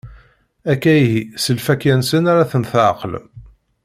Akka ihi, s lfakya-nsen ara ten-tɛeqlem.